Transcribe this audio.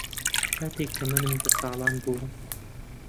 کاتێک تەمەنم دە ساڵان بوو